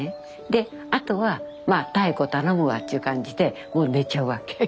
であとはまあ妙子頼むわっちゅう感じでもう寝ちゃうわけ。